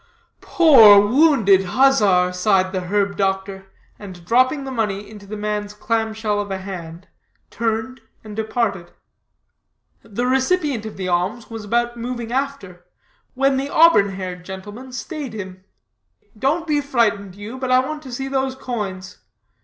"Poor wounded huzzar!" sighed the herb doctor, and dropping the money into the man's clam shell of a hand turned and departed. The recipient of the alms was about moving after, when the auburn haired gentleman staid him: "Don't be frightened, you; but I want to see those coins.